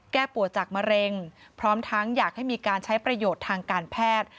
แก้ปวดจากมะเร็งพร้อมทั้งอยากให้มีการใช้ประโยชน์ทางการแพทย์